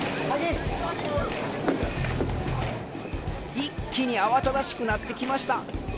一気に慌ただしくなってきました。